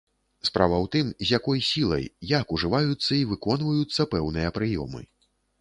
Справа ў тым, з якой сілай, як ужываюцца і выконваюцца пэўныя прыёмы.